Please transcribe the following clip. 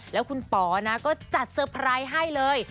แล้วคุณป๋อนะก็จัดเตอร์ไพรส์ให้เลย